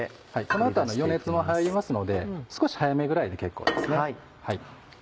この後余熱も入りますので少し早めぐらいで結構ですね。